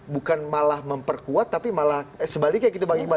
bukan malah memperkuat tapi malah sebaliknya